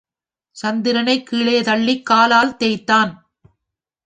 சந்திரனைக் கீழே தள்ளிக் காலால் தேய்த்தான்.